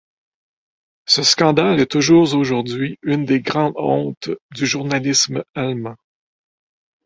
Ce scandale est toujours aujourd'hui une des grandes hontes du journalisme allemand.